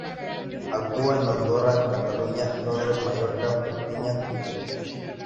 Actuó en Andorra, Cataluña, Londres, Mallorca, Perpiñán y Zúrich.